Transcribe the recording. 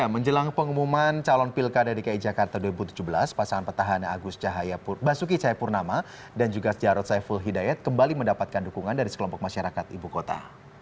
menjelang pengumuman calon pilkada dki jakarta dua ribu tujuh belas pasangan petahana agus basuki cahayapurnama dan juga jarod saiful hidayat kembali mendapatkan dukungan dari sekelompok masyarakat ibu kota